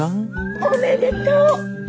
おめでとう。